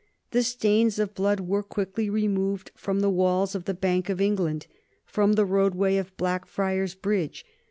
The stains of blood were quickly removed from the walls of the Bank of England, from the roadway of Blackfriars Bridge.